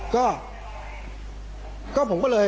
ก็ผมก็เลย